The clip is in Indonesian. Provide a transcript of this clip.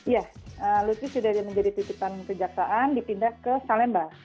ya lutfi sudah menjadi titipan kejaksaan dipindah ke salemba